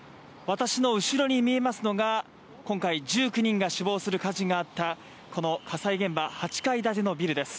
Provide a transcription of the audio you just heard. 私の後ろに見えますのが今回、１９人が死亡する火事があったこの火災現場、８階建てのビルです。